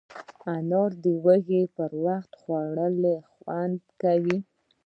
انار د لوږې پر وخت خوړل خوند کوي.